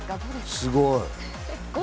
すごい。